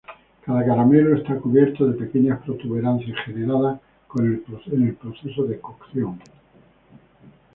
Cada caramelo está cubierto de pequeñas protuberancias generadas en el proceso de cocción.